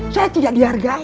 saya tidak dihargai